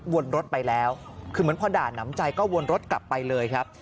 วนรถไปแล้วคือเหมือนพอด่าน้ำใจก็วนรถกลับไปเลยครับ